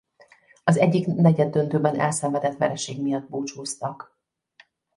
Az egyik negyeddöntőben elszenvedett vereség miatt búcsúztak.